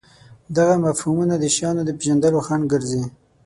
دغه مفهومونه د شیانو د پېژندلو خنډ ګرځي.